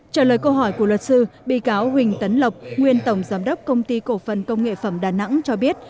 trả lời câu hỏi của luật sư bị cáo huỳnh tấn lộc nguyên tổng giám đốc công ty cổ phần công nghệ phẩm đà nẵng cho biết